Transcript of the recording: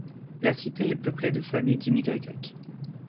La cité est peuplée de familles d’immigrés grecs.